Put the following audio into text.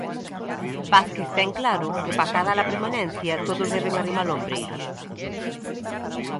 Vázquez ten claro que para acadar a permanencia todos deben arrimar o ombreiro.